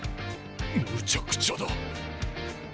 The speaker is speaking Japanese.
むちゃくちゃだ。